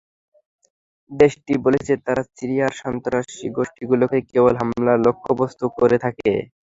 দেশটি বলছে, তারা সিরিয়ার সন্ত্রাসী গোষ্ঠীগুলোকেই কেবল হামলার লক্ষ্যবস্তু করে থাকে।